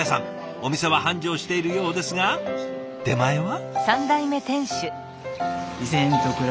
お店は繁盛しているようですが出前は？